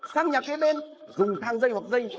sang nhà kế bên dùng thang dây hoặc dây